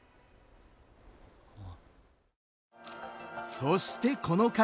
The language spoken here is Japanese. そしてこの方！